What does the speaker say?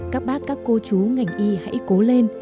các bác các cô chú ngành y hãy cố lên